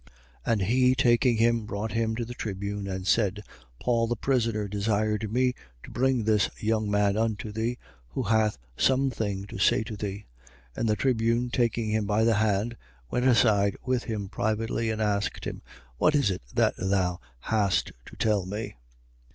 23:18. And he, taking him, brought him to the tribune and said: Paul, the prisoner, desired me to bring this young man unto thee, who hath some thing to say to thee. 23:19. And the tribune, taking him by the hand, went aside with him privately and asked him: What is it that thou hast to tell me?